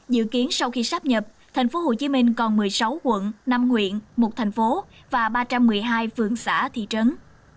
dự kiến sau khi sắp nhập tp phd còn một mươi sáu quận năm nguyện một thành phố và ba trăm một mươi hai phương xã thị trấn